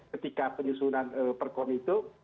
ketika penyusunan prosedur